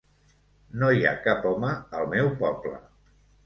No hi ha cap home al meu poble.